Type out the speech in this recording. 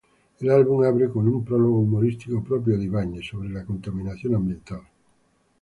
El álbum abre con un prólogo humorístico, propio de Ibáñez, sobre la contaminación ambiental.